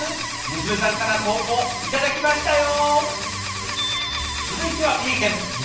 娘さんから投稿頂きましたよ！